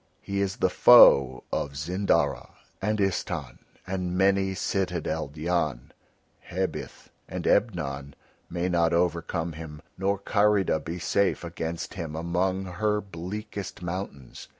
He is the foe of Zindara and Istahn and many citadeled Yan, Hebith and Ebnon may not overcome him nor Karida be safe against him among her bleakest mountains.